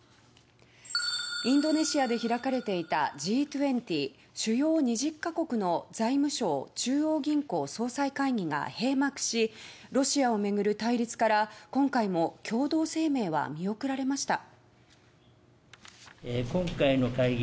インドネシアで開かれていたＧ２０・主要２０か国の財務相・中央銀行総裁会議が閉幕しロシアを巡る対立から、今回も共同声明は見送られました。